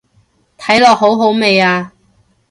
睇落好好味啊